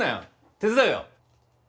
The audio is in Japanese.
手伝うよ。